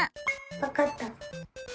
わかった！